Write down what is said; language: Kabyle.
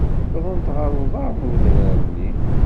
Wwḍen-d ɣer uḍar n udrar-nni.